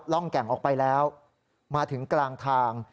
ร่องแก่งออกไปแล้วมาถึงกลางทาง